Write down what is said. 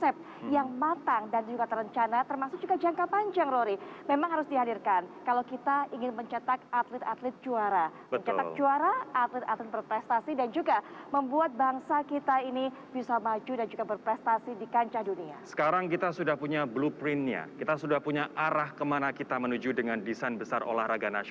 pandemi tidak membuat kegiatan olahraga menjadi terlalu berat